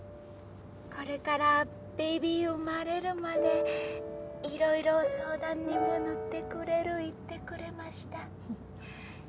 これからベイビー生まれるまでいろいろソウダンにもノってくれる言ってくれました。